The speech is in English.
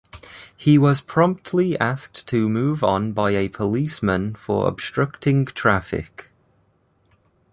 He was promptly asked to move on by a policeman for obstructing traffic.